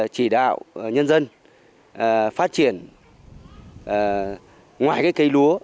chỉ đạo nhân dân phát triển ngoài cây lúa